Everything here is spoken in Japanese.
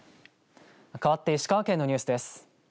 かわって石川県のニュースです。